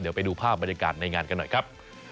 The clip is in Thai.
เดี๋ยวไปดูภาพบรรยากาศในงานกันหน่อยครับ